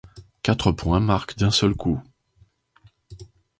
Quatre points marquent d'un seul coup.